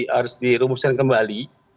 harus dirumuskan kembali